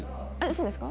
そうですか？